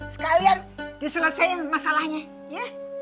sekalian diselesaiin masalahnya ya